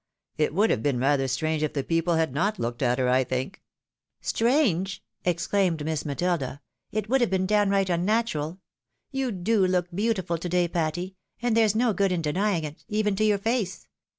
It would have been rather strange if the people had not looked at her, I think." " Strange !" exclaimed Miss Matilda, " it would have been 352 THE WIDOW MARRIED. downright unnatural ! You do look beautiful to day, Patty, and there's no good in denying it, even to your face.